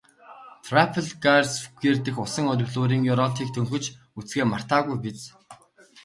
Трафальгарсквер дэх усан оргилуурын ёроолыг төнхөж үзэхээ мартаагүй биз?